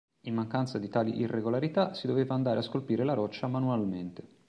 In mancanza di tali irregolarità si doveva andare a scolpire la roccia manualmente.